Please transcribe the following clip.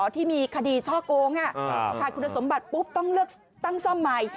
ที่มีคดีช่อโกงขาดคุณสมบัติปุ๊บต้องเลือกตั้งซ่อมใหม่